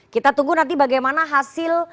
kita tunggu nanti bagaimana hasil